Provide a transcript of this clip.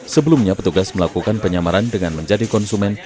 sebelumnya petugas melakukan penyamaran dengan menjadi konsumen